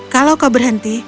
kalau kau berhenti